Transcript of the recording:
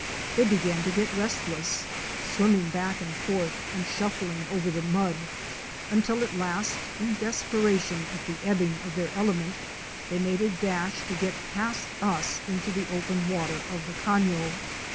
They began to get restless, swimming back and forth and shuffling over the mud, until at last in desperation at the ebbing of their element, they made a dash to get past us into the open water of the cafio.